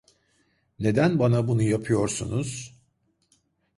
Neden bana bunu yapıyorsunuz?